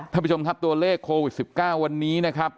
ท่านผู้ชมครับตัวเลขโควิด๑๙วันนี้นะครับ